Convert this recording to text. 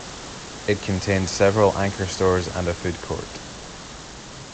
It contained several anchor stores and a food court.